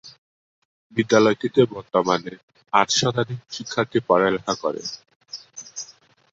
বিদ্যালয়টিতে বর্তমানে আট শতাধিক শিক্ষার্থী লেখাপড়া করে।